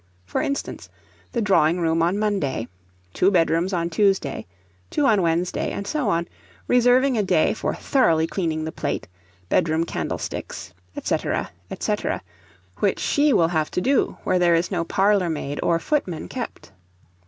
For instance, the drawing room on Monday, two bedrooms on Tuesday, two on Wednesday, and so on, reserving a day for thoroughly cleaning the plate, bedroom candlesticks, &c. &c., which she will have to do where there is no parlour maid or footman kept.